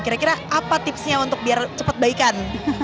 kira kira apa tipsnya untuk biar cepat baikan